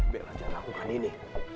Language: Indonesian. bella jangan lakukan ini